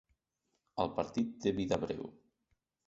El partit té vida breu.